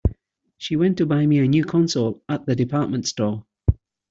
She went to buy me a new console at the department store.